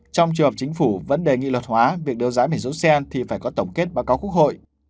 trong trường hợp chính phủ vấn đề nghị luật hóa việc đấu giá bể số xe thì phải có tổng kết báo cáo quốc hội